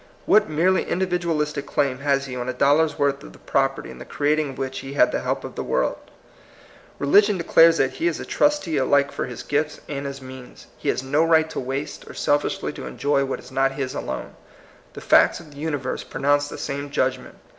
What merely in dividualistic claim has he on a dollar's worth of the property in the creating of which he had the help of the world ? Re ligion declares that he is a trustee alike for POSSIBLE REVOLUTION. 158 his gifts and his means. He has no right to waste or selfishly to enjoy what is not his alone. The facts of the universe pronounce the same judgment.